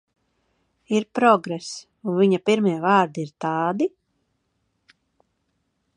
Ir progress, un viņa pirmie vārdi ir tādi?